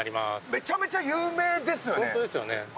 めちゃめちゃ有名ですよ。